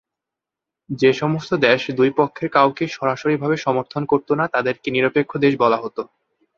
যেসমস্ত দেশ দুই পক্ষের কাউকেই সরকারিভাবে সমর্থন করত না, তাদেরকে নিরপেক্ষ দেশ বলা হত।